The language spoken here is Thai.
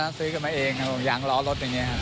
อ่าซื้อกันมาเองห่วงยางร้อนรถอย่างเงี้ยครับ